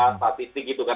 statistik gitu kan